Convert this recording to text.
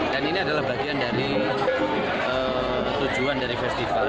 dan ini adalah bagian dari tujuan dari festival